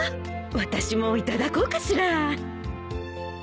私もいただこうかしら。